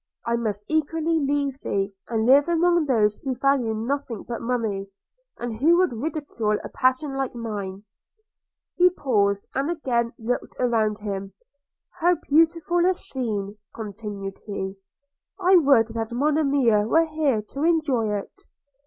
I must equally leave thee, and live among those who value nothing but money, and who would ridicule a passion like mine.' – He paused, and again looked around him. 'How beautiful a scene!' continued he; 'I would that Monimia were here to enjoy it!